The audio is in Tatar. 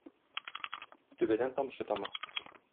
Түбәдән тамчы тама.